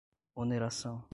oneração